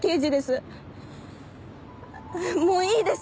もういいです。